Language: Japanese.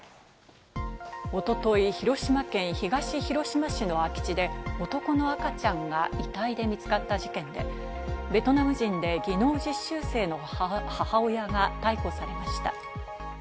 一昨日、広島県東広島市の空き地で男の赤ちゃんが遺体で見つかった事件で、ベトナム人で技能実習生の母親が逮捕されました。